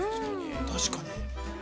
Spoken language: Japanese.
◆確かに。